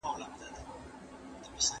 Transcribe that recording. ادبي هڅي د ژبې په بډاینه کي مرسته کوي.